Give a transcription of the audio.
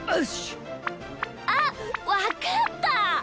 あわかった！